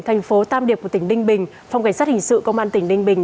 thành phố tam điệp của tỉnh đinh bình phòng cảnh sát hình sự công an tỉnh đinh bình